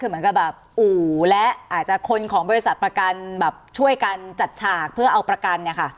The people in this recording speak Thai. คือเหมือนกับแบบอู่และอาจจะคนของบริษัทประกันแบบช่วยกันจัดฉากเพื่อเอาประกันเนี่ยค่ะ